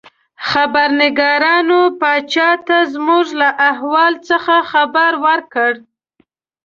خبرنګارانو پاچا ته زموږ له احوال څخه خبر ورکړ.